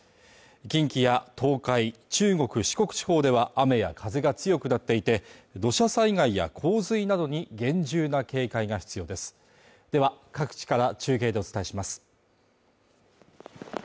近畿や東海、中国四国地方では雨や風が強くなっていて土砂災害や洪水などに厳重な警戒が必要ですでは各地から中継でお伝えします